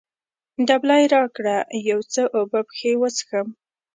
دبلی راکړه، یو څه اوبه پکښې وڅښم.